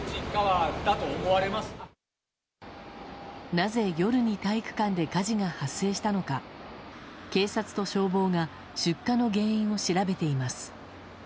なぜ、夜に体育館で火事が発生したのか警察と消防が出火の原因を調べています。